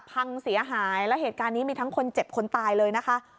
พังเสียหายแล้วเหตุการณ์นี้มีทั้งคนเจ็บคนตายเลยนะคะ